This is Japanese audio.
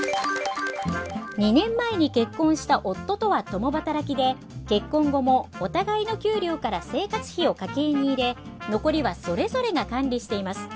２年前に結婚した夫とは共働きで結婚後もお互いの給料から生活費を家計に入れ残りはそれぞれが管理しています。